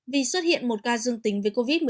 vì xuất hiện một ca dương tính với covid một mươi chín